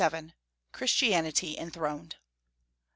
272 337. CHRISTIANITY ENTHRONED.